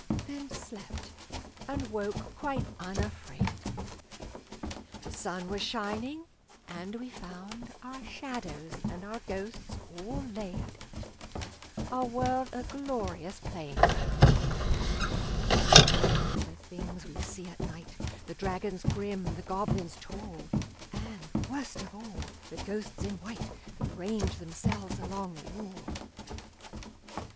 Then slept, and woke quite unafraid. The sun was shining, and we found Our shadows and our ghosts all laid, Our world a glorious playing ground. For O! the things we see at night The dragons grim, the goblins tall, And, worst of all, the ghosts in white That range themselves along the wall!